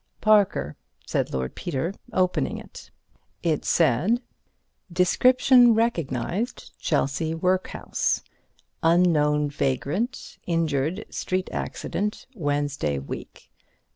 "Parker," said Lord Peter, opening it. It said: "Description recognized Chelsea Workhouse. Unknown vagrant injured street accident Wednesday week.